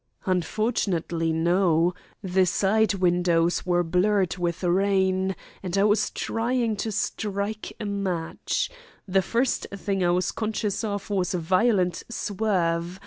"Unfortunately, no. The side windows were blurred with rain, and I was trying to strike a match. The first thing I was conscious of was a violent swerve.